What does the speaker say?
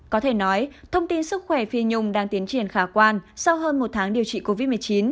có thể nói thông tin sức khỏe phi nhung đang tiến triển khả quan sau hơn một tháng điều trị covid một mươi chín